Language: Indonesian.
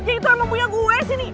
ya itu emang punya gue sih